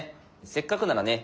せっかくならね